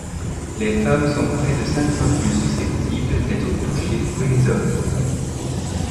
Les femmes sont près de cinq fois plus susceptibles d’être touchées que les hommes.